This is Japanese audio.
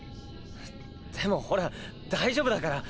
でもほら大丈夫だから。